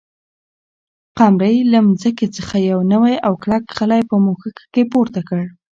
قمرۍ له ځمکې څخه یو نوی او کلک خلی په مښوکه کې پورته کړ.